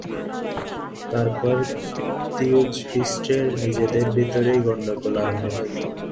তারপর থিওজফিস্টদের নিজেদের ভিতরই গণ্ডগোল আরম্ভ হইল।